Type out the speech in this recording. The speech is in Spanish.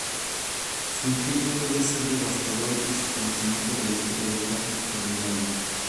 Su ingenio puede ser devastador y su conocimiento de la historia local, formidable".